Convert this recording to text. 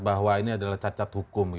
bahwa ini adalah cacat hukum